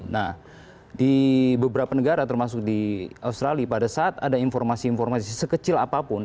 nah di beberapa negara termasuk di australia pada saat ada informasi informasi sekecil apapun